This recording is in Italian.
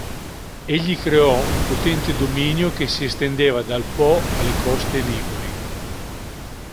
Egli creò un potente dominio che si estendeva dal Po alle coste liguri.